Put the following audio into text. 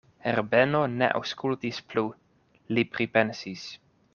Herbeno ne aŭskultis plu; li pripensis.